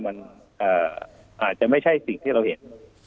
มันอาจจะไม่ใช่สิ่งที่เราเห็น